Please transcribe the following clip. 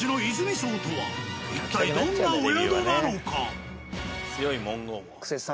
一体どんなお宿なのか。